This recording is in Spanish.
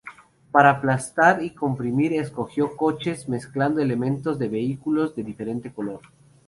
Para aplastar y comprimir escogió coches, mezclando elementos de vehículos de diferente color.